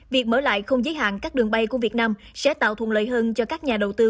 việc mở lại không giới hạn các đường bay của việt nam sẽ tạo thuận lợi hơn cho các nhà đầu tư